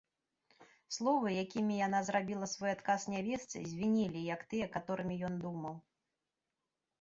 Словы, якімі яна зрабіла свой адказ нявестцы, звінелі, як тыя, каторымі ён думаў.